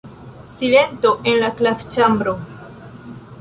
Silento en la klasĉambro.